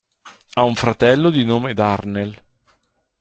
Ha un fratello di nome Darnell.